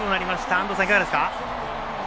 安藤さん、いかがですか？